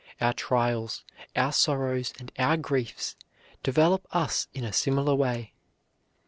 Our trials, our sorrows, and our griefs develop us in a similar way.